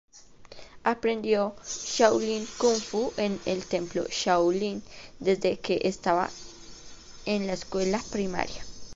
Aprendió Shaolin Kungfu en el Templo Shaolin desde que estaba en la escuela primaria.